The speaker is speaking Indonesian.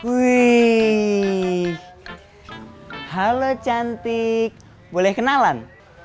wih halo cantik boleh kenalan